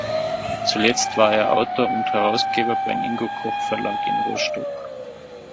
Zuletzt war er Autor und Herausgeber beim Ingo Koch Verlag in Rostock.